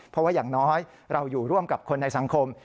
เพราะว่าอย่างน้อยเราอยู่ร่วมกับคนในสังคม